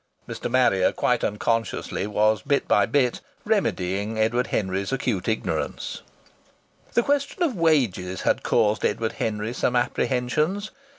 Mr. Marrier, quite unconsciously, was bit by bit remedying Edward Henry's acute ignorance. The question of wages had caused Edward Henry some apprehensions.